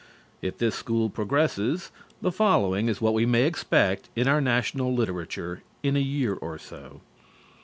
If this school progresses, the following is what we may expect in our national literature in a year or so.